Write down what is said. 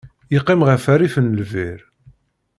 Yeqqim ɣef rrif n lbir.